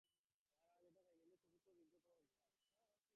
আর আজ এটা থাইল্যান্ডের চতুর্থ দীর্ঘতম গুহা প্রণালী।